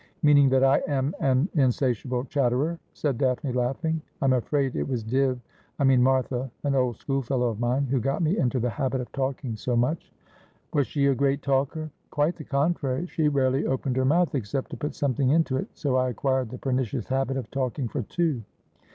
'Meaning that I am an insatiable chatterer,' said Daphne, laughing. ' I'm afraid it was Dibb — I mean Martha, an old schoolfellow of mine — who got me into the habit of talking so much.' ' Was she a great talker ?'' Quite the contrary. She rarely opened her mouth except to put something into it, so I acquired the pernicious habit of talking for two.'